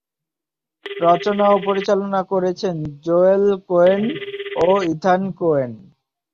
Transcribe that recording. রচনা ও পরিচালনা করেছেন জোয়েল কোয়েন ও ইথান কোয়েন।